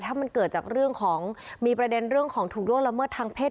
ถ้ามันเกิดจากเรื่องของมีประเด็นเรื่องของถูกล่วงละเมิดทางเพศ